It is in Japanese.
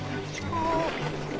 ああ。